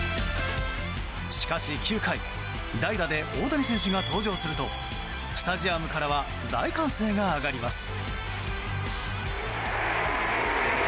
しかし、９回代打で大谷選手が登場するとスタジアムからは大歓声が上がります。